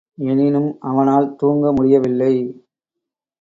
எனினும் அவனால் தூங்க முடியவில்லை.